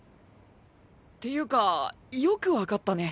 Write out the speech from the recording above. ていうかよく分かったね